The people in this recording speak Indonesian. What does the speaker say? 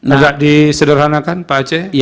tidak disederhanakan pak aceh